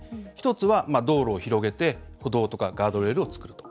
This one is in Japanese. １つは、道路を広げて歩道とかガードレールを作ると。